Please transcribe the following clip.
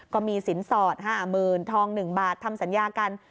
ก็มีสินสอด๕๐๐๐ทอง๑บาททำสัญญากัน